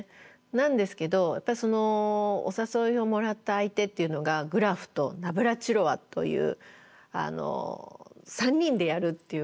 なんですけどそのお誘いをもらった相手っていうのがグラフとナブラチロワという３人でやるっていう。